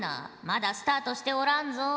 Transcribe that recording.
まだスタートしておらんぞ。